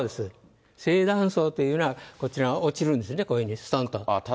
正断層というのはこちら、落ちるんですね、こういうふうに、すとんと。